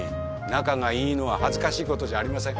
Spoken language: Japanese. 仲がいいのは恥ずかしいことじゃありません。